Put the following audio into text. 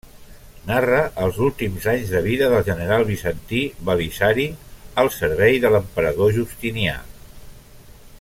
Narra els últims anys de vida del general bizantí Belisari al servei de l'emperador Justinià.